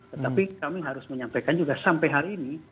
tetapi kami harus menyampaikan juga sampai hari ini